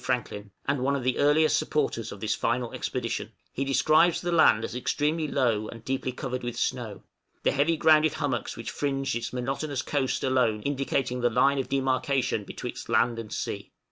Franklin, and one of the earliest supporters of this final expedition he describes the land as extremely low and deeply covered with snow, the heavy grounded hummocks which fringed its monotonous coast alone indicating the line of demarcation betwixt land and sea.